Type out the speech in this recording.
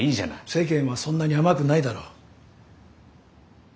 世間はそんなに甘くないだろ。